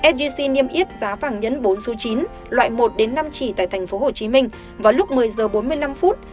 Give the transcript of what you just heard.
sgc niêm yết giá vàng nhẫn bốn chín loại một năm chỉ tại tp hcm vào lúc một mươi h bốn mươi năm phút